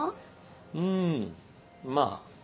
うんまぁ。